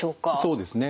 そうですね。